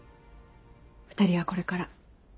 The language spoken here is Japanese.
２人はこれから。